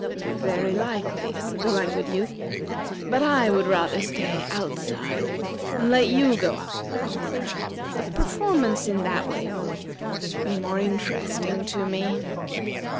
"Very likely," said the Languid Youth; "but I would rather stay outside and let you go up in the corner. The performance in that way will be more interesting to me."